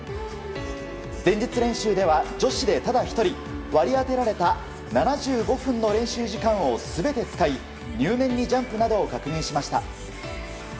前日練習では女子でただ１人割り当てられた７５分の練習時間を全て使い入念にジャンプなどを確認しました。